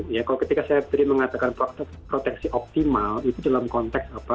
ya kalau ketika saya beri mengatakan proteksi optimal itu dalam konteks apa